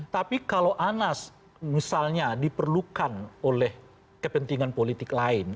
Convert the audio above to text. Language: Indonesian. tapi kalau anas misalnya diperlukan oleh kepentingan politik lain